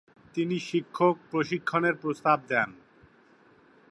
তিনি শিক্ষক প্রশিক্ষণের প্রস্তাব দেন।